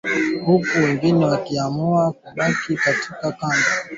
huku wengine wakiamua kubaki katika kambi ya jeshi la Uganda ya Bihanga, magharibi mwa Uganda